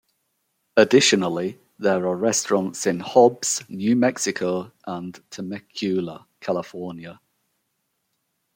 Additionally, there are restaurants in Hobbs, New Mexico and Temecula, California.